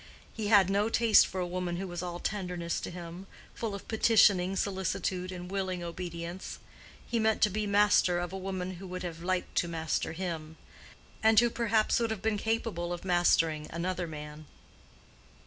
He had no taste for a woman who was all tenderness to him, full of petitioning solicitude and willing obedience. He meant to be master of a woman who would have liked to master him, and who perhaps would have been capable of mastering another man.